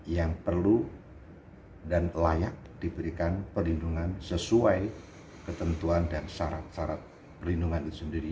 yang perlu dan layak diberikan perlindungan sesuai ketentuan dan syarat syarat perlindungan itu sendiri